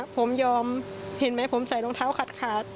ผมยอมเห็นไหมผมใส่รองเท้าขาด